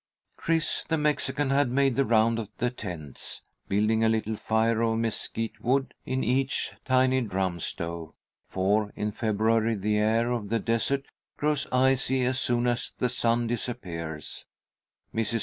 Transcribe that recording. Chris, the Mexican, had made the round of the tents, building a little fire of mesquite wood in each tiny drum stove, for in February the air of the desert grows icy as soon as the sun disappears. Mrs.